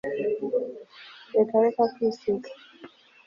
reka reka kwisiga